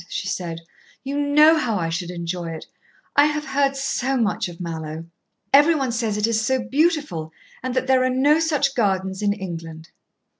she said. "You know how I should enjoy it. I have heard so much of Mallowe. Every one says it is so beautiful and that there are no such gardens in England."